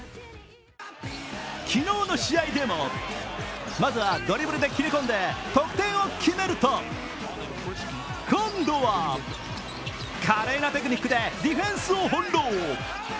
昨日の試合でも、まずはドリブルで切り込んで得点を決めると今度は華麗なテクニックでディフェンスをほんろう。